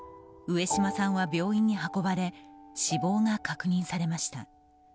上島さんは病院に運ばれ死亡が確認されました。